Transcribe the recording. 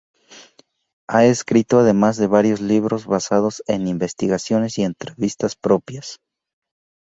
Ha escrito además varios libros basados en investigaciones y entrevistas propias.